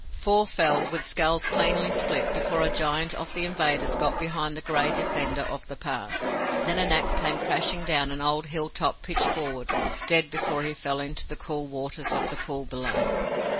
Four fell with skulls cleanly split before a giant of the invaders got behind the gray defender of the pass. Then an ax came crashing down and old Hilltop pitched forward, dead before he fell into the cool waters of the pool below.